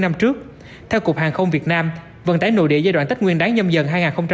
năm trước theo cục hàng không việt nam vận tải nội địa giai đoạn tết nguyên đáng nhâm dần hai nghìn hai mươi bốn